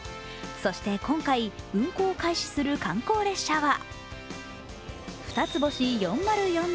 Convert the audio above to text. そして今回運行開始する観光列車は「ふたつ星４０４７」。